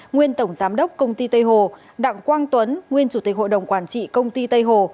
nguyên tổng giám đốc công ty tây hồ đặng quang tuấn nguyên chủ tịch hội đồng quản trị công ty tây hồ